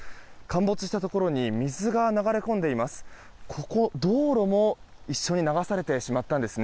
陥没したところに水が流れ込んでします。